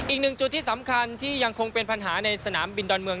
อีกหนึ่งจุดที่สำคัญที่ยังคงเป็นปัญหาในสนามบินดอนเมือง